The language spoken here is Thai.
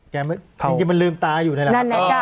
จริงมันลืมตาอยู่นั่นแหละ